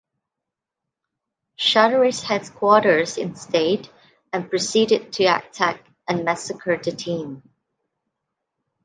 Charteris headquarters instead, and proceeded to attack and massacre the team.